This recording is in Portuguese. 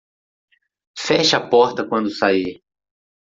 Feche a porta quando sair